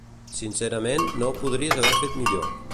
Sincerament, no ho podries haver fet millor.